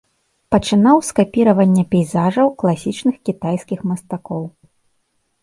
Пачынаў з капіравання пейзажаў класічных кітайскіх мастакоў.